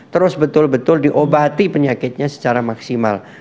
terus betul betul diobati penyakitnya secara maksimal